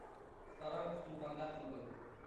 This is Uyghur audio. ئاران قۇتۇلغاندەك قىلىدۇ.